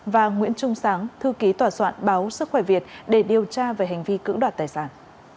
và nguyễn trung sáng thư ký tòa soạn báo sức khỏe việt để điều tra về hành vi cưỡng đoạt tài sản